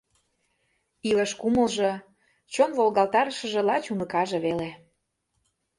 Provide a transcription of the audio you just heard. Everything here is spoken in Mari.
Илыш кумылжо, чон волгалтарышыже лач уныкаже веле.